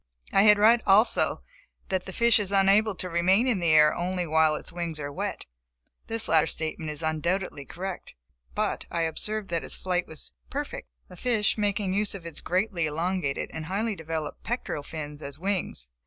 I had read, also, that the fish is unable to remain in the air only while its wings are wet. This latter statement is undoubtedly correct; but I observed that its flight was perfect, the fish making use of its greatly elongated and highly developed pectoral fins, as wings.